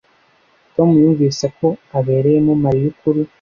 Tom yumvise ko abereyemo Mariya ukuri